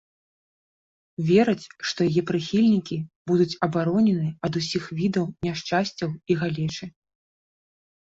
Вераць, што яе прыхільнікі будуць абаронены ад усіх відаў няшчасцяў і галечы.